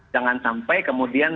jangan sampai kemudian